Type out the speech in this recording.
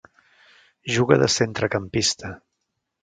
Juga de centrecampista.